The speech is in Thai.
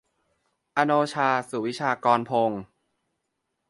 อโนชา สุวิชากรพงศ์